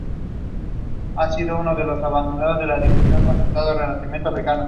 Se encuentra únicamente en la isla Socorro.